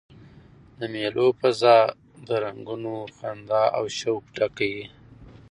د مېلو فضا د رنګونو، خندا او شوق ډکه يي.